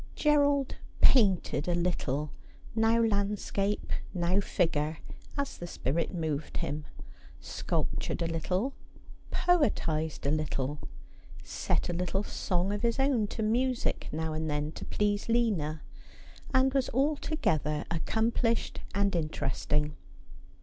Gerald painted a little, now landscape, now figure, as the spirit moved him ; sculptured a little ; poetised a little ; set a little song of his own to music now and then to please Lina ; and was altogether accomplished and interesting.